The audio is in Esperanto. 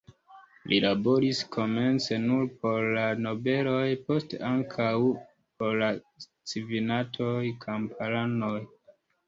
Li laboris komence nur por la nobeloj, poste ankaŭ por la civitanoj, kamparanoj.